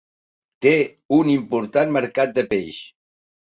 Té un important mercat de peix.